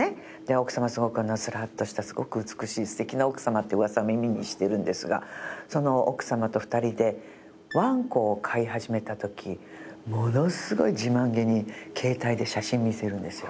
奥様はすごくスラーッとしたすごく美しい素敵な奥様っていう噂を耳にしているんですがその奥様と２人でワンコを飼い始めた時ものすごい自慢げに携帯で写真見せるんですよ。